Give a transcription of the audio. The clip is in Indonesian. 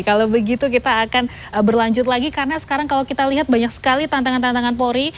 kalau begitu kita akan berlanjut lagi karena sekarang kalau kita lihat banyak sekali tantangan tantangan polri